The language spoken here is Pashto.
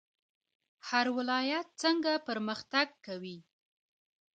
هر ولایت څنګه پرمختګ کوي؟